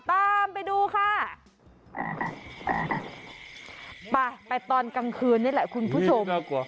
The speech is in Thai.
ไปละคุณพู้ชม